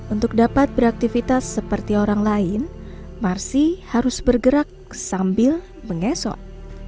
untuk dapat beraktivitas seperti orang lain marsi harus bergerak sambil mengesok